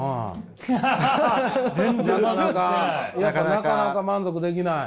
なかなか満足できない？